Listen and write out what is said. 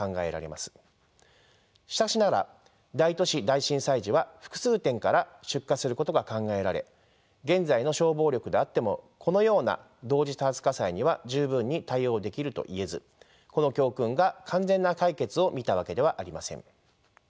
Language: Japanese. しかしながら大都市大震災時は複数点から出火することが考えられ現在の消防力であってもこのような同時多発火災には十分に対応できるといえずこの教訓が完全な解決を見たわけではありません。